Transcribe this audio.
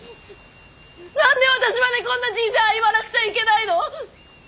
何で私までこんな人生歩まなくちゃいけないの！